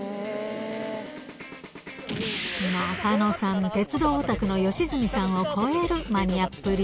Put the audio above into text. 中野さん、鉄道おたくの良純さんを超えるマニアっぷり。